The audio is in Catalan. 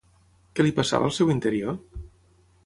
Què li passava al seu interior?